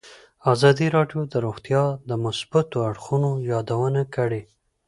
ازادي راډیو د روغتیا د مثبتو اړخونو یادونه کړې.